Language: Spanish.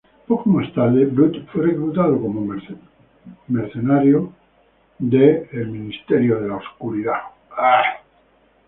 Poco más tarde, The Brood fue reclutado como mercenarios de The Ministry of Darkness.